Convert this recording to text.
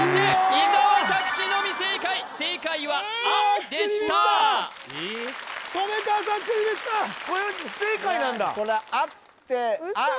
伊沢拓司のみ正解正解は「あ」でした染川さん「っ」入れてたこれは不正解なんだ「あっ」て「あ」